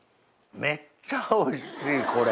めっちゃおいしいこれ。